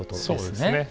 そうですね。